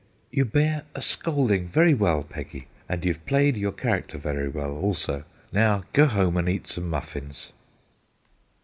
' You bear a scolding very well, Peggy, and you 've played your character very well also. Now go home and eat some muffins.'